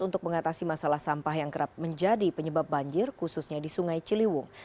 untuk mengatasi masalah sampah yang kerap menjadi penyebab banjir khususnya di sungai ciliwung